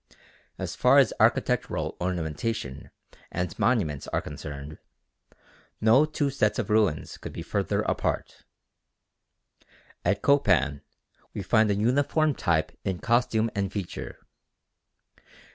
As far as architectural ornamentation and monuments are concerned, no two sets of ruins could be further apart. At Copan we find a uniform type in costume and feature.